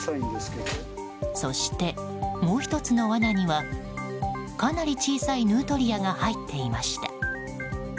そして、もう１つの罠にはかなり小さいヌートリアが入っていました。